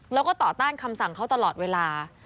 แล้วก็ต่อต้านคำสั่งเขาตลอดเวลา